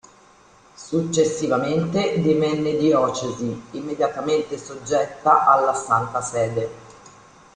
Successivamente divenne diocesi immediatamente soggetta alla Santa Sede.